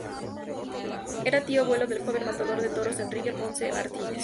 Era tío abuelo del joven matador de toros Enrique Ponce Martínez.